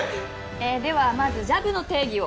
えーではまずジャブの定義を。